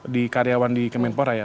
di karyawan di kemenpora ya